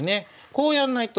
こうやらないと。